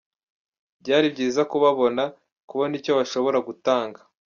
Byari byiza kubabona, kubona icyo bashobora gutanga.